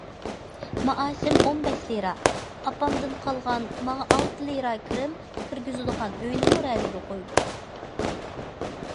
مائاشىم ئون بەش لىرا... ئاپامدىن قالغان، ماڭا ئالتە لىرا كىرىم كىرگۈزىدىغان ئۆينىمۇ رەنىگە قويدۇق.